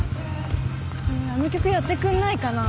あの曲やってくんないかな。